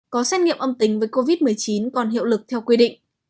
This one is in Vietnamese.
có xét nghiệm âm tính với covid một mươi chín còn hiệu lực theo quy định